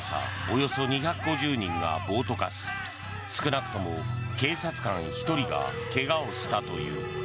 およそ２５０人が暴徒化し少なくとも警察官１人が怪我をしたという。